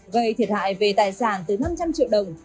gây thiệt hại về tài sản từ năm trăm linh triệu đồng